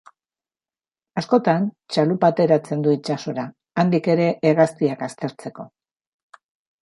Askotan, txalupa ateratzen du itsasora, handik ere hegaztiak aztertzeko.